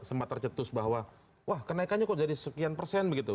sempat tercetus bahwa wah kenaikannya kok jadi sekian persen begitu